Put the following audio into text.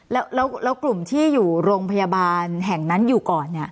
แล้วกลุ่มที่อยู่โรงพยาบาลแห่งนั้นอยู่ก่อนเนี่ย